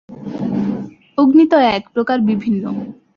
অগ্নি তো এক, প্রকার বিভিন্ন।